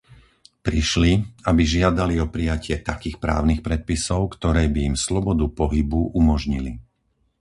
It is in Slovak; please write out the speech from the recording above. Prišli, aby žiadali o prijatie takých právnych predpisov, ktoré by im slobodu pohybu umožnili.